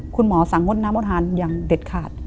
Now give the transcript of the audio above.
คุณหมอสั่งงดน้ำอดทานอย่างเด็ดขาด